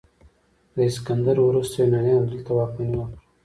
د اسکندر وروسته یونانیانو دلته واکمني وکړه